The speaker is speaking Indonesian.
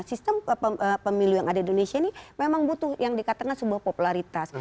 sistem pemilu yang ada di indonesia ini memang butuh yang dikatakan sebuah popularitas